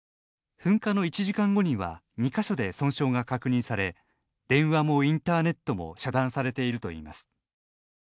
噴火の１時間後には２か所で損傷が確認され電話もインターネットも遮断されているといいます。